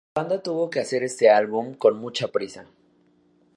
La banda tuvo que hacer este álbum con mucha prisa.